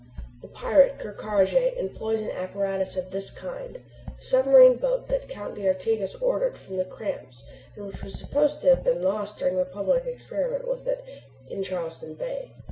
"The pirate Ker Karraje employs an apparatus of this kind the submarine boat that the Count d'Artigas ordered of the Cramps and which was supposed to have been lost during the public experiment with it in Charleston Bay.